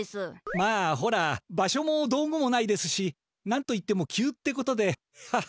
まあほら場所も道具もないですしなんといっても急ってことでハハ。